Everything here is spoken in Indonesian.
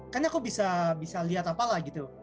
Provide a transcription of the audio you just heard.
kan aku bisa lihat apalah gitu